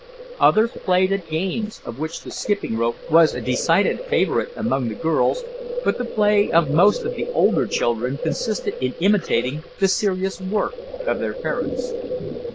Others played at games, of which the skipping rope was a decided favourite among the girls, but the play of most of the older children consisted in imitating the serious work of their parents.